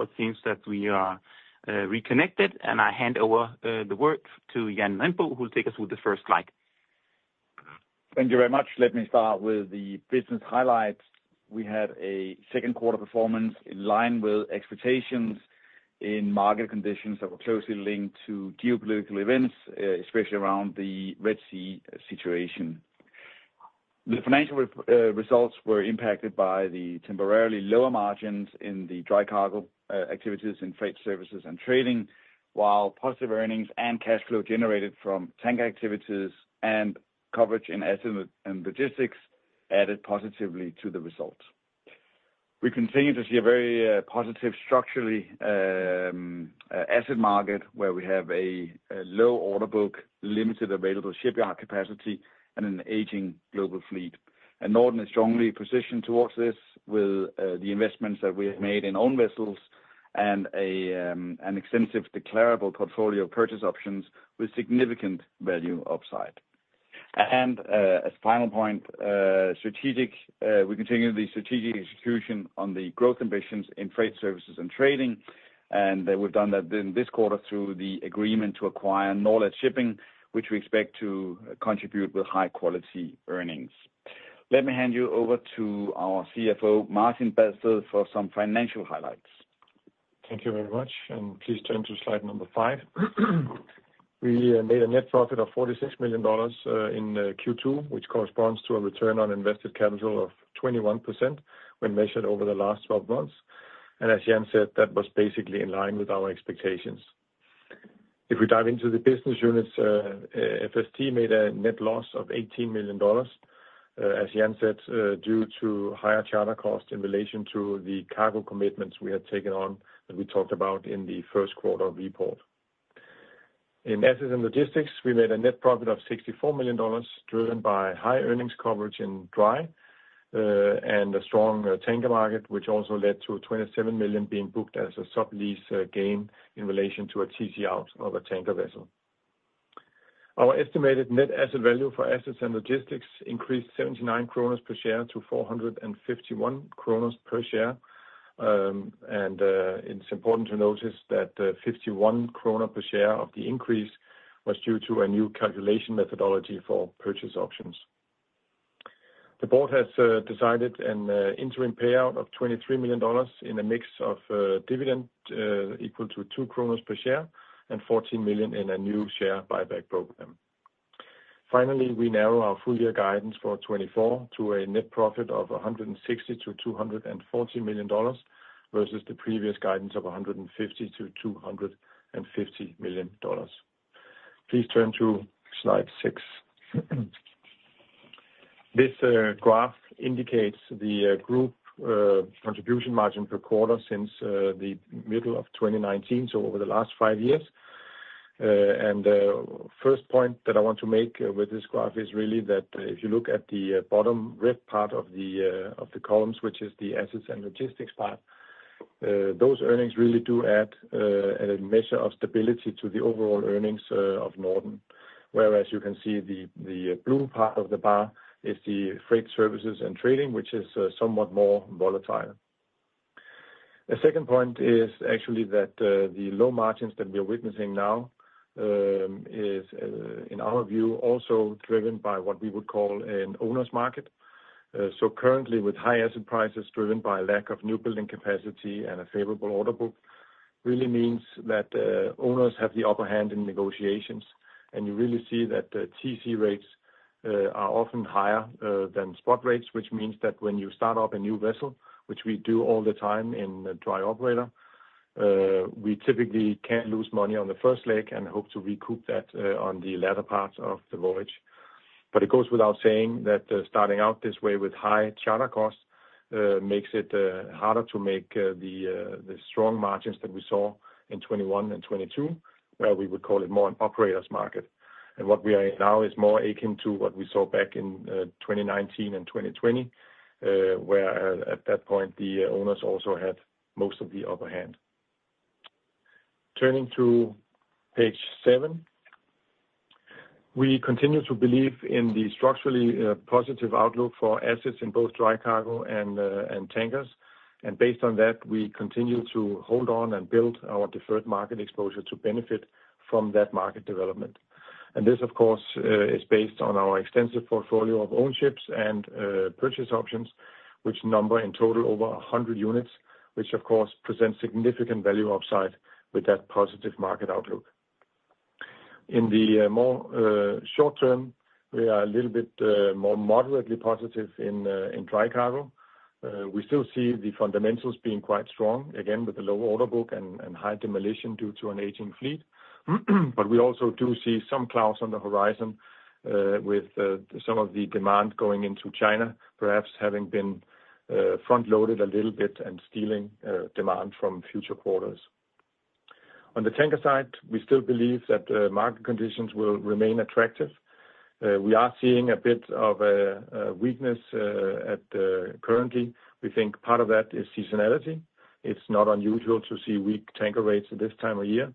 It seems that we are reconnected, and I hand over the work to Jan Rindbo, who will take us through the first slide. Thank you very much. Let me start with the business highlights. We had a second quarter performance in line with expectations in market conditions that were closely linked to geopolitical events, especially around the Red Sea situation. The financial results were impacted by the temporarily lower margins in the dry cargo activities in Freight Services and Trading, while positive earnings and cash flow generated from tank activities and coverage in Assets and Logistics added positively to the results. We continue to see a very positive structurally asset market, where we have a low order book, limited available shipyard capacity, and an aging global fleet. Norden is strongly positioned towards this with the investments that we have made in own vessels and an extensive declarable portfolio of purchase options with significant value upside. As final point, strategic, we continue the strategic execution on the growth ambitions in Freight Services and Trading, and we've done that in this quarter through the agreement to acquire Norlat Shipping, which we expect to contribute with high quality earnings. Let me hand you over to our CFO, Martin Badsted, for some financial highlights. Thank you very much, and please turn to slide number 5. We made a net profit of $46 million in Q2, which corresponds to a return on invested capital of 21% when measured over the last 12 months. And as Jan said, that was basically in line with our expectations. If we dive into the business units, FST made a net loss of $18 million, as Jan said, due to higher charter costs in relation to the cargo commitments we had taken on, that we talked about in the first quarter report. In Assets and Logistics, we made a net profit of $64 million, driven by high earnings coverage in dry, and a strong tanker market, which also led to $27 million being booked as a sublease gain in relation to a TC out of a tanker vessel. Our estimated net asset value for Assets and Logistics increased 79 kroner per share to 451 kroner per share. It's important to notice that the 51 kroner per share of the increase was due to a new calculation methodology for purchase options. The board has decided an interim payout of $23 million in a mix of dividend equal to 2 kroner per share, and $14 million in a new share buyback program. Finally, we narrow our full-year guidance for 2024 to a net profit of $160 million-$240 million versus the previous guidance of $150 million-$250 million. Please turn to slide 6. This graph indicates the group contribution margin per quarter since the middle of 2019, so over the last five years. The first point that I want to make with this graph is really that if you look at the bottom red part of the columns, which is the Assets and Logistics part, those earnings really do add a measure of stability to the overall earnings of Norden. Whereas you can see the blue part of the bar is the Freight Services and Trading, which is somewhat more volatile. The second point is actually that the low margins that we are witnessing now is in our view also driven by what we would call an owner's market. So currently, with high asset prices driven by lack of newbuilding capacity and a favorable order book, really means that owners have the upper hand in negotiations, and you really see that the TC rates are often higher than spot rates, which means that when you start up a new vessel, which we do all the time in a dry operator, we typically can't lose money on the first leg and hope to recoup that on the latter part of the voyage. But it goes without saying that starting out this way with high charter costs makes it harder to make the strong margins that we saw in 2021 and 2022, where we would call it more an operator's market. What we are in now is more akin to what we saw back in 2019 and 2020, where, at that point, the owners also had most of the upper hand. Turning to page seven, we continue to believe in the structurally positive outlook for assets in both dry cargo and tankers. Based on that, we continue to hold on and build our deferred market exposure to benefit from that market development. This, of course, is based on our extensive portfolio of own ships and purchase options, which number in total over 100 units, which of course presents significant value upside with that positive market outlook. In the more short term, we are a little bit more moderately positive in dry cargo. We still see the fundamentals being quite strong, again, with the low order book and high demolition due to an aging fleet. But we also do see some clouds on the horizon, with some of the demand going into China, perhaps having been front-loaded a little bit and stealing demand from future quarters. On the tanker side, we still believe that market conditions will remain attractive. We are seeing a bit of weakness currently. We think part of that is seasonality. It's not unusual to see weak tanker rates at this time of year,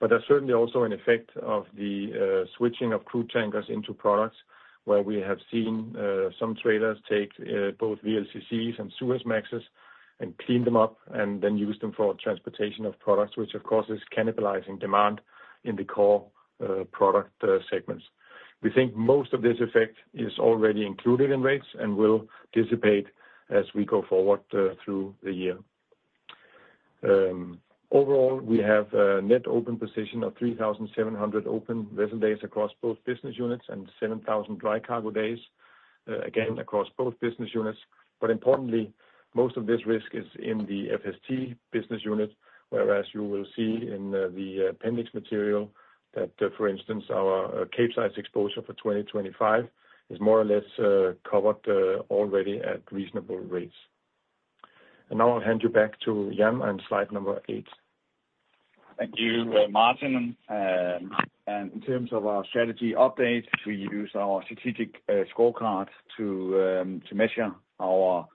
but there's certainly also an effect of the switching of crude tankers into products.... where we have seen, some traders take, both VLCCs and Suezmaxes, and clean them up, and then use them for transportation of products, which of course, is cannibalizing demand in the core, product, segments. We think most of this effect is already included in rates and will dissipate as we go forward, through the year. Overall, we have a net open position of 3,700 open vessel days across both business units, and 7,000 dry cargo days, again, across both business units. But importantly, most of this risk is in the FST business unit, whereas you will see in, the appendix material, that, for instance, our Capesize exposure for 2025 is more or less, covered, already at reasonable rates. Now I'll hand you back to Jan on slide number eight. Thank you, Martin. In terms of our strategy update, we use our strategic scorecard to measure our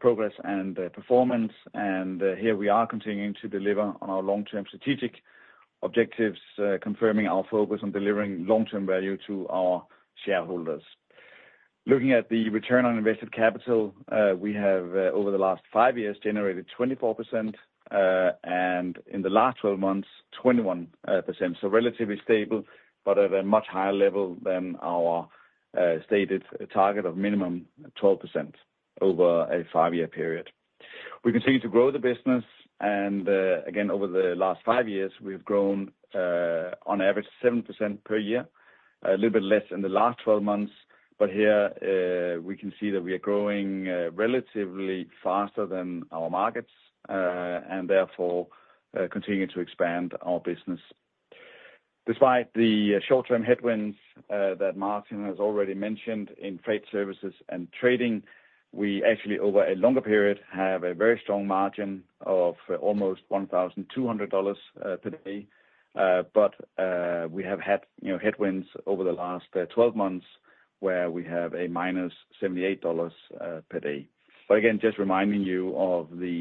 progress and performance. Here we are continuing to deliver on our long-term strategic objectives, confirming our focus on delivering long-term value to our shareholders. Looking at the Return on Invested Capital, we have over the last five years generated 24%, and in the last 12 months, 21%. Relatively stable, but at a much higher level than our stated target of minimum 12% over a five-year period. We continue to grow the business, and, again, over the last five years, we've grown, on average, 7% per year, a little bit less in the last 12 months, but here, we can see that we are growing, relatively faster than our markets, and therefore, continuing to expand our business. Despite the short-term headwinds, that Martin has already mentioned in Freight Services and Trading, we actually, over a longer period, have a very strong margin of almost $1,200 per day. But, we have had, you know, headwinds over the last 12 months, where we have a minus $78 per day. But again, just reminding you of the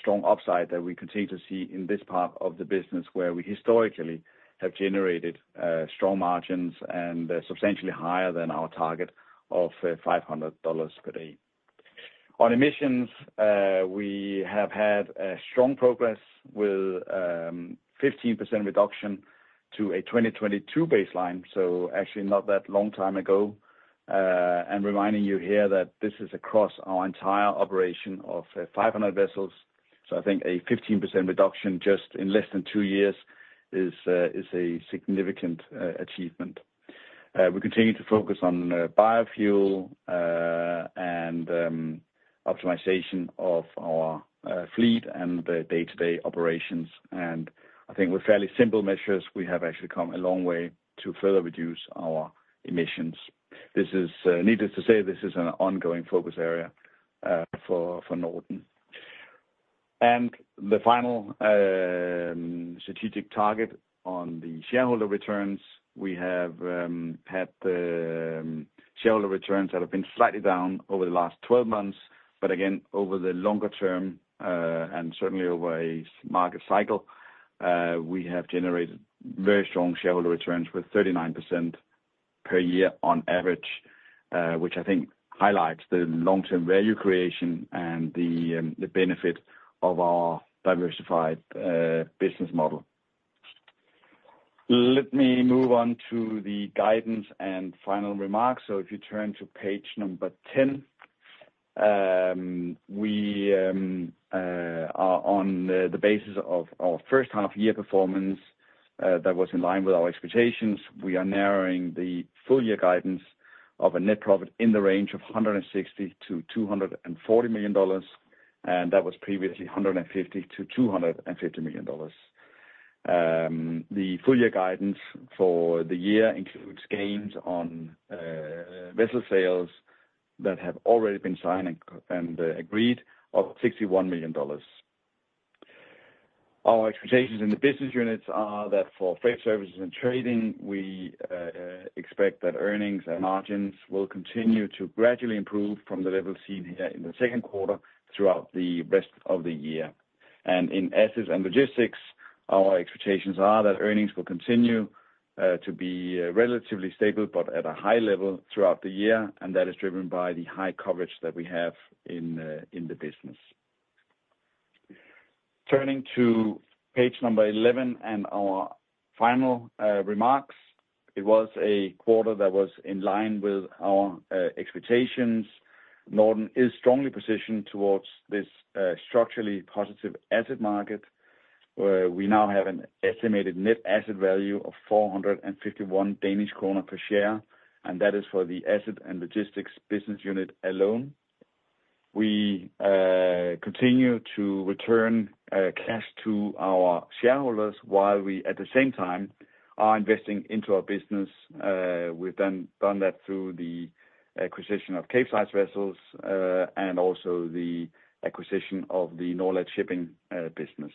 strong upside that we continue to see in this part of the business, where we historically have generated strong margins and substantially higher than our target of $500 per day. On emissions, we have had a strong progress with 15% reduction to a 2022 baseline, so actually not that long time ago. And reminding you here, that this is across our entire operation of 500 vessels. So I think a 15% reduction just in less than two years is a significant achievement. We continue to focus on biofuel and optimization of our fleet and the day-to-day operations. And I think with fairly simple measures, we have actually come a long way to further reduce our emissions. This is, needless to say, this is an ongoing focus area for Norden. And the final strategic target on the shareholder returns, we have had shareholder returns that have been slightly down over the last 12 months. But again, over the longer term, and certainly over a market cycle, we have generated very strong shareholder returns, with 39% per year on average. Which I think highlights the long-term value creation and the benefit of our diversified business model. Let me move on to the guidance and final remarks. So if you turn to page number 10, we on the basis of our first half year performance, that was in line with our expectations, we are narrowing the full year guidance of a net profit in the range of $160 million-$240 million, and that was previously $150 million-$250 million. The full year guidance for the year includes gains on vessel sales, that have already been signed and agreed, of $61 million. Our expectations in the business units are that for Freight Services and Trading, we expect that earnings and margins will continue to gradually improve from the level seen here in the second quarter, throughout the rest of the year. In Assets and Logistics, our expectations are that earnings will continue to be relatively stable, but at a high level throughout the year, and that is driven by the high coverage that we have in the business. Turning to page 11 and our final remarks, it was a quarter that was in line with our expectations. Norden is strongly positioned towards this structurally positive asset market, where we now have an estimated net asset value of 451 Danish kroner per share, and that is for the Assets and Logistics business unit alone. We continue to return cash to our shareholders, while we, at the same time, are investing into our business. We've done that through the acquisition of Capesize vessels and also the acquisition of the Norlat Shipping business.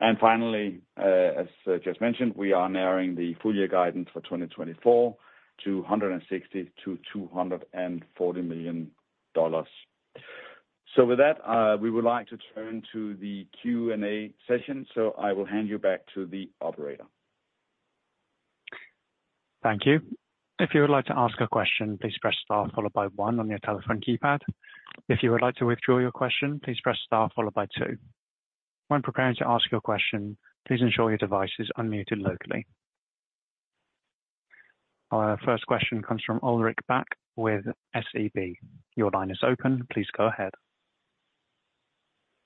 And finally, as just mentioned, we are narrowing the full year guidance for 2024 to $160 million-$240 million. So with that, we would like to turn to the Q&A session. So I will hand you back to the operator. Thank you. If you would like to ask a question, please press star followed by one on your telephone keypad. If you would like to withdraw your question, please press star followed by two. When preparing to ask your question, please ensure your device is unmuted locally. Our first question comes from Ulrik Bak with SEB. Your line is open. Please go ahead.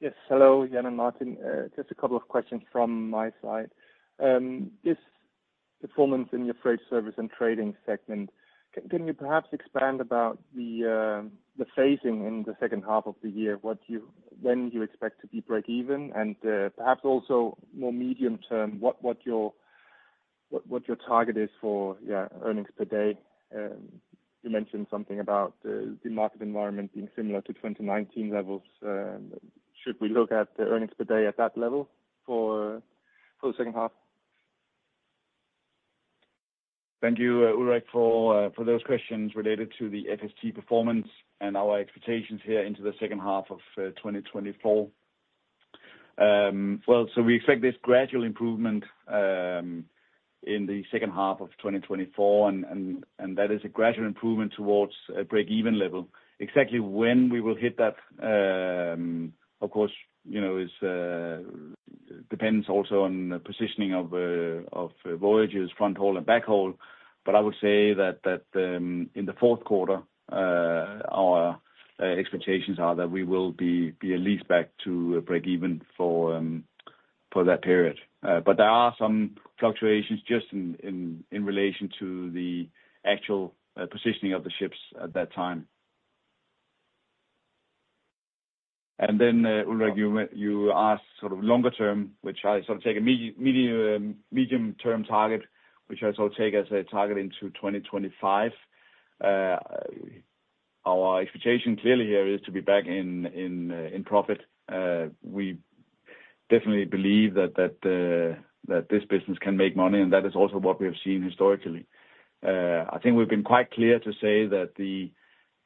Yes, hello, Jan and Martin. Just a couple of questions from my side. This performance in your freight service and trading segment, can you perhaps expand about the, the phasing in the second half of the year, what when you expect to be breakeven? And, perhaps also more medium term, what your target is for, yeah, earnings per day. You mentioned something about, the market environment being similar to 2019 levels. Should we look at the earnings per day at that level for the second half? Thank you, Ulrik, for those questions related to the FST performance and our expectations here into the second half of 2024. Well, so we expect this gradual improvement in the second half of 2024, and that is a gradual improvement towards a breakeven level. Exactly when we will hit that, of course, you know, it depends also on the positioning of voyages, fronthaul and backhaul. But I would say that in the fourth quarter, our expectations are that we will be at least back to breakeven for that period. But there are some fluctuations just in relation to the actual positioning of the ships at that time. Then, Ulrik, you asked sort of longer term, which I sort of take as a medium-term target, which I sort of take as a target into 2025. Our expectation clearly here is to be back in profit. We definitely believe that this business can make money, and that is also what we have seen historically. I think we've been quite clear to say that the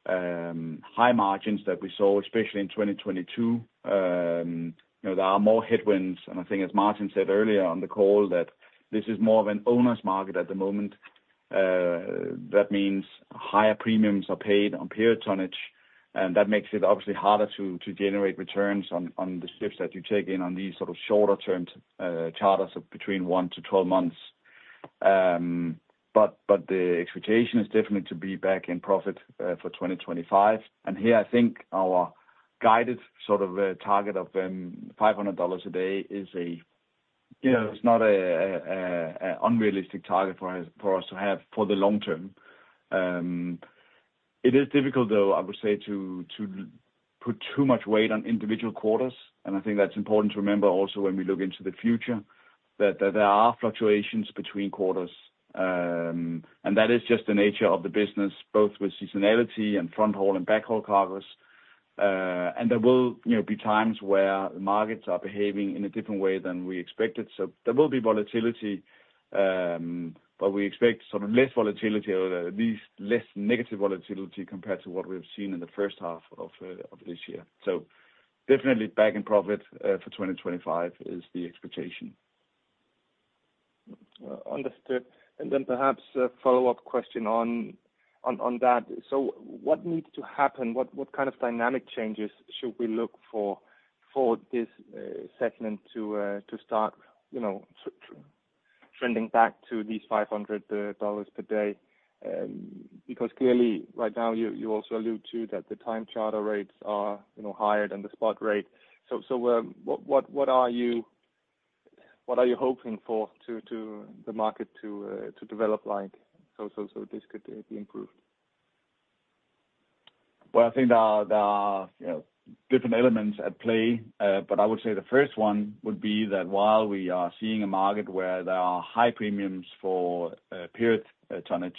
high margins that we saw, especially in 2022, you know, there are more headwinds. And I think as Martin said earlier on the call, that this is more of an owner's market at the moment. That means higher premiums are paid on period tonnage, and that makes it obviously harder to generate returns on the ships that you take in on these sort of shorter-term charters of between one months to 12 months. But the expectation is definitely to be back in profit for 2025. And here, I think our guided sort of target of $500 a day is, you know, it's not an unrealistic target for us, for us to have for the long term. It is difficult, though, I would say, to put too much weight on individual quarters. And I think that's important to remember also when we look into the future, that there are fluctuations between quarters. And that is just the nature of the business, both with seasonality and fronthaul and backhaul cargoes. And there will, you know, be times where the markets are behaving in a different way than we expected. So there will be volatility, but we expect sort of less volatility or at least less negative volatility compared to what we've seen in the first half of this year. So definitely back in profit for 2025 is the expectation. Understood. And then perhaps a follow-up question on that. So what needs to happen? What kind of dynamic changes should we look for, for this segment to start, you know, trending back to these $500 per day? Because clearly, right now, you also allude to that the time charter rates are, you know, higher than the spot rate. So what are you hoping for to the market to develop like, so this could be improved? Well, I think there are, you know, different elements at play, but I would say the first one would be that while we are seeing a market where there are high premiums for period tonnage,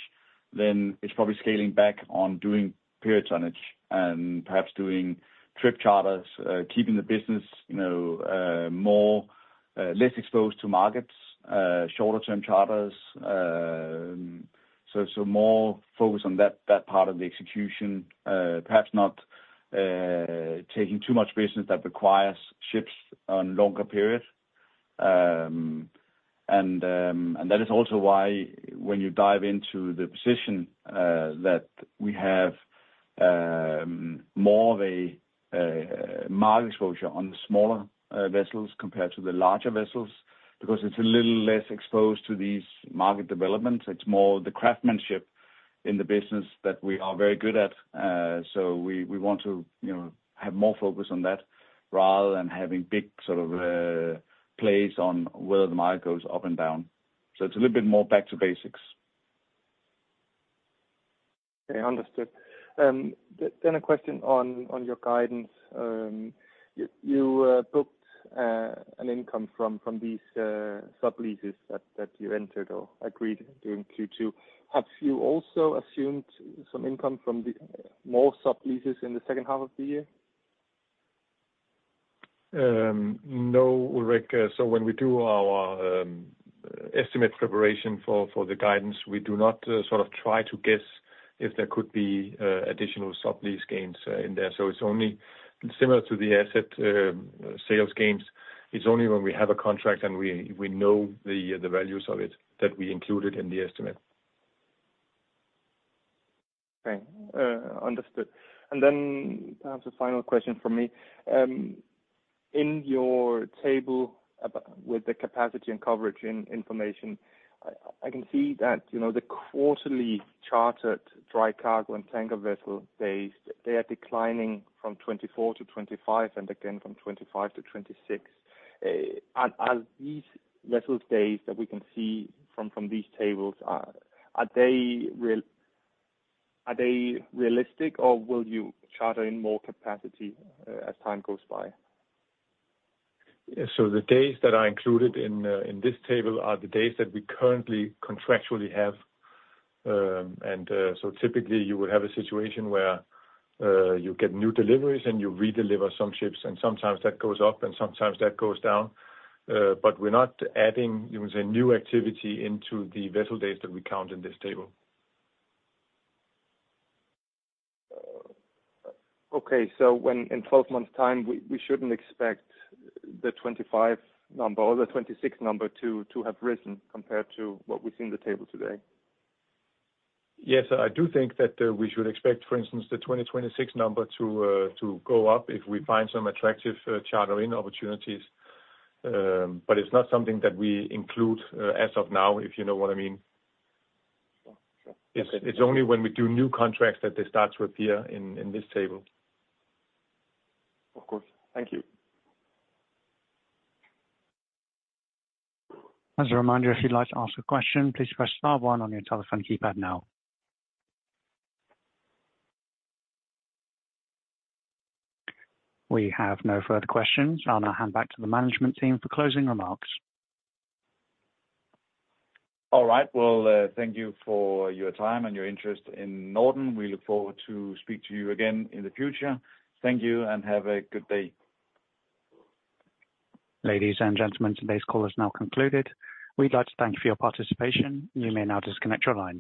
then it's probably scaling back on doing period tonnage and perhaps doing trip charters, keeping the business, you know, more less exposed to markets, shorter-term charters. So more focus on that part of the execution. Perhaps not taking too much business that requires ships on longer periods. And that is also why when you dive into the position that we have more of a market exposure on the smaller vessels compared to the larger vessels, because it's a little less exposed to these market developments. It's more the craftsmanship in the business that we are very good at. So we want to, you know, have more focus on that, rather than having big sort of plays on whether the market goes up and down. So it's a little bit more back to basics. Okay, understood. Then a question on your guidance. You booked an income from these subleases that you entered or agreed during Q2. Have you also assumed some income from the more subleases in the second half of the year? Now, Ulrik. So when we do our estimate preparation for the guidance, we do not sort of try to guess if there could be additional sublease gains in there. So it's only similar to the asset sales gains. It's only when we have a contract, and we know the values of it, that we include it in the estimate. Okay, understood. Then perhaps a final question from me. In your table with the capacity and coverage information, I can see that, you know, the quarterly chartered dry cargo and tanker vessel days, they are declining from 2024 to 2025, and again, from 2025 to 2026. Are these vessel days that we can see from these tables, are they realistic, or will you charter in more capacity as time goes by? So the days that are included in this table are the days that we currently contractually have. So typically, you would have a situation where you get new deliveries, and you redeliver some ships, and sometimes that goes up, and sometimes that goes down. But we're not adding, you would say, new activity into the vessel days that we count in this table. Okay, so in 12 months' time, we shouldn't expect the 2025 number or the 2026 number to have risen compared to what we see in the table today? Yes, I do think that we should expect, for instance, the 2026 number to go up if we find some attractive chartering opportunities. But it's not something that we include as of now, if you know what I mean. Okay. It's only when we do new contracts that they start to appear in this table. Of course. Thank you. As a reminder, if you'd like to ask a question, please press star one on your telephone keypad now. We have no further questions. I'll now hand back to the management team for closing remarks. All right. Well, thank you for your time and your interest in Norden. We look forward to speak to you again in the future. Thank you, and have a good day. Ladies and gentlemen, today's call is now concluded. We'd like to thank you for your participation. You may now disconnect your lines.